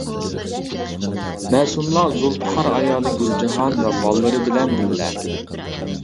مەسۇملار زۇلپىقار ئايالى گۈلجاھان ۋە بالىلىرى بىلەن بىللە.